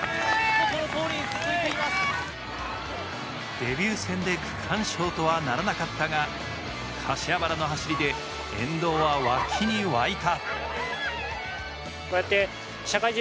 デビュー戦で区間賞とはならなかったが柏原の走りで沿道は沸きに沸いた。